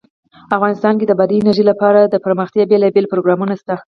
افغانستان کې د بادي انرژي لپاره دپرمختیا بېلابېل پروګرامونه شته.